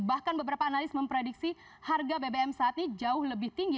bahkan beberapa analis memprediksi harga bbm saat ini jauh lebih tinggi